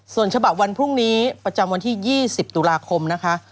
ส่วนฉบับวันพรุ่งนี้ประจำวันที่๒๐ตุลาคมนะคะ